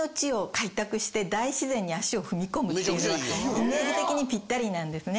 イメージ的にピッタリなんですね。